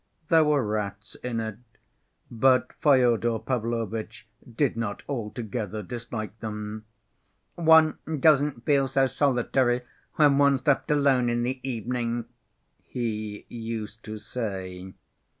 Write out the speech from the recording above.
There were rats in it, but Fyodor Pavlovitch did not altogether dislike them. "One doesn't feel so solitary when one's left alone in the evening," he used to say.